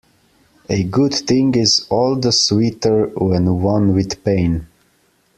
A good thing is all the sweeter when won with pain.